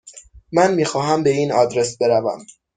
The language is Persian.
من میخواهم به این آدرس بروم.